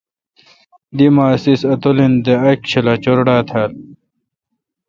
دی ماس اِس اتولن دہ اک چھلا چُرڈھا تھال۔